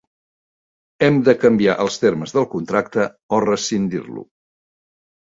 Hem de canviar els termes del contracte o rescindir-lo